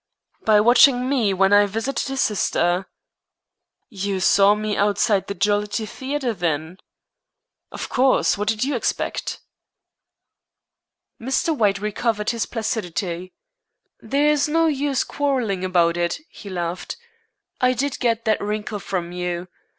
"By watching me when I visited his sister." "You saw me outside the Jollity Theatre, then?" "Of course. What did you expect?" Mr. White recovered his placidity. "There's no use quarrelling about it," he laughed. "I did get that wrinkle from you.